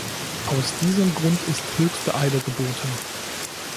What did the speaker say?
Aus diesem Grund ist höchste Eile geboten.